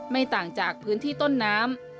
ไม่ต่างจากพื้นที่ต้นน้ำ